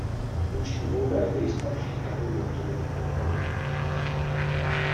Luční bouda je nejstarší chatou na hřebenech Krkonoš.